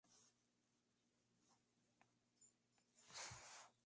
El lago rodea la Isla de Bled, la única isla natural de Eslovenia.